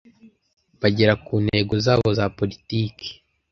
bagere ku ntego zabo za politiki.